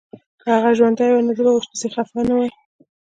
که هغه ژوندی وای نو زه به ورپسي خپه نه وای